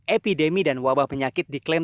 epidemi dan wabah penyakit diklaim